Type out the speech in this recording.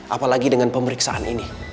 apalagi dengan pemeriksaan ini